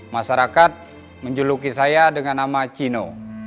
masyarakat menjuluki saya dengan nama cino